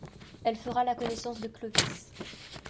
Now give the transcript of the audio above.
Elle fera la connaissance de Clovis.